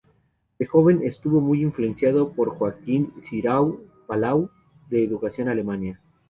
De joven, estuvo muy influenciado por Joaquín Xirau Palau, de educación alemana.